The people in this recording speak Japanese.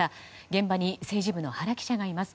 現場に政治部の原記者がいます。